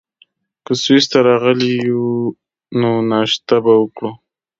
که سویس ته راغلي یو، نو ناشته به وکړو.